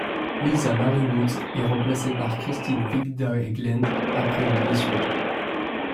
Lisa Marie Woods est remplacée par Kristine Wigdahl Hegland après une blessure.